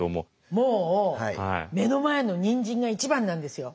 もう目の前のニンジンが一番なんですよ。